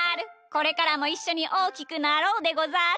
これからもいっしょにおおきくなろうでござる！